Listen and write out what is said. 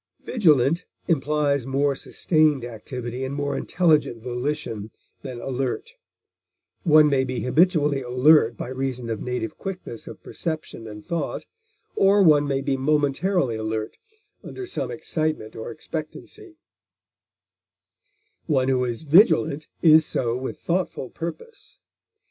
Vigilant implies more sustained activity and more intelligent volition than alert; one may be habitually alert by reason of native quickness of perception and thought, or one may be momentarily alert under some excitement or expectancy; one who is vigilant is so with thoughtful purpose.